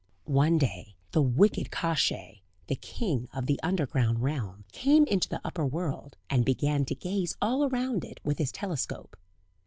One day the wicked Kosciey, the king of the Underground realm, came out into the upper world, and began to gaze all round it with his telescope.